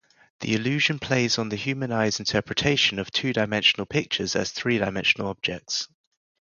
The illusion plays on the human eye's interpretation of two-dimensional pictures as three-dimensional objects.